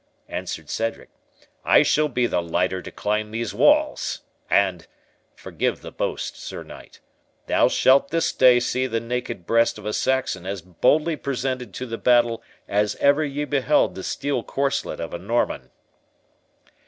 answered Cedric; "I shall be the lighter to climb these walls. And,—forgive the boast, Sir Knight,—thou shalt this day see the naked breast of a Saxon as boldly presented to the battle as ever ye beheld the steel corslet of a Norman."